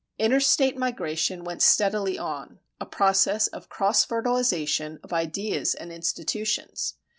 Interstate migration went steadily on a process of cross fertilization of ideas and institutions.